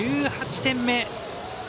１８点目。